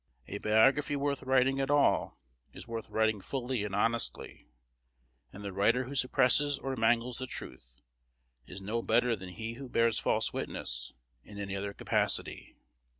A biography worth writing at all is worth writing fully and honestly; and the writer who suppresses or mangles the truth is no better than he who bears false witness in any other capacity.